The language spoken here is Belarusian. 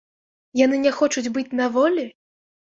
Яны не хочуць быць на волі?